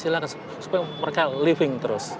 silahkan supaya mereka living terus